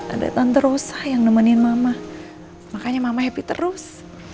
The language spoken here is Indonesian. ada tante rosa yang nemenin mama makanya mama happy terus